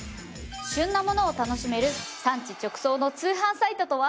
旬なものを楽しめる産地直送の通販サイトとは？